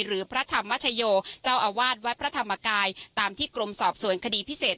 หรือพระธรรมชโยเจ้าอาวาสวัดพระธรรมกายตามที่กรมสอบสวนคดีพิเศษ